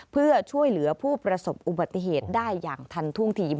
เพื่อช่วยเหลือผู้ประสบอุบัติเหตุได้อย่างทันท่วงที